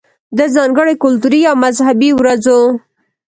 ده ځانګړې کلتوري يا مذهبي ورځو